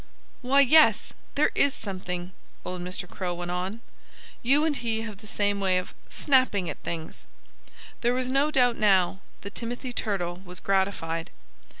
"Why, yes! There is something else," old Mr. Crow went on. "You and he have the same way of snapping at things." There was no doubt, now, that Timothy Turtle was gratified.